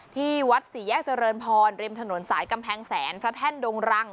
ที่วัดสี่แยกเจริญพรริมถนนสายกำแพงแสนพระแท่นดงรัง